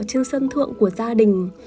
trên sân thượng của gia đình